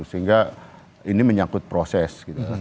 sehingga ini menyangkut proses